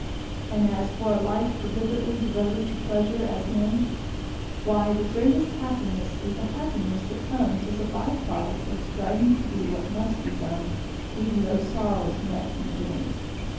And as for a life deliberately devoted to pleasure as an end why, the greatest happiness is the happiness that comes as a by product of striving to do what must be done, even though sorrow is met in the doing.